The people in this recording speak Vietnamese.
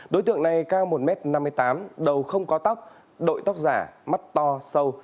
đối tượng này cao một m năm mươi tám đầu không có tóc đội tóc giả mắt to sâu